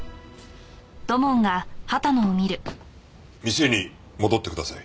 店に戻ってください。